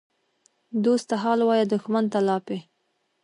دوست ته حال وایه، دښمن ته لاپې.